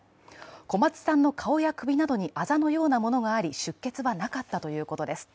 小松さんの顔や首などにあざのようなものがあり出血はなかったということです。